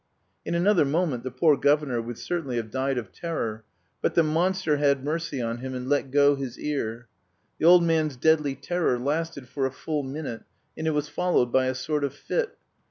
In another moment the poor governor would certainly have died of terror; but the monster had mercy on him, and let go his ear. The old man's deadly terror lasted for a full minute, and it was followed by a sort of fit.